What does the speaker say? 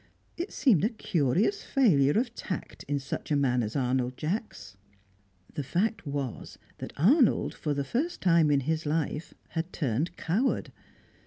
It seemed a curious failure of tact in such a man as Arnold Jacks. The fact was that Arnold for the first time in his life, had turned coward.